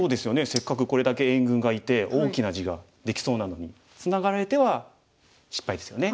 せっかくこれだけ援軍がいて大きな地ができそうなのにツナがられては失敗ですよね。